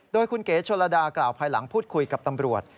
โดยคุณเก๋ชนระดากล่าวภายหลังพูดคุยกับตำรวจ